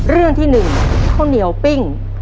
เรื่องที่๑ข้าวเหนียวปิ้ง